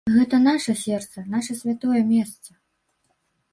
Гэта наша сэрца, наша святое месца!